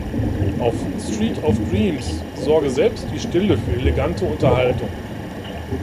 Auf „Street of Dreams“ sorge selbst die Stille für elegante Unterhaltung.